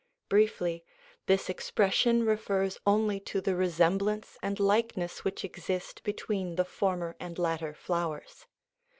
Briefly, this expression refers only to the resemblance and likeness which exist between the former and latter flowers.